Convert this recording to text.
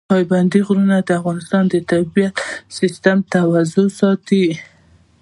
پابندی غرونه د افغانستان د طبعي سیسټم توازن ساتي.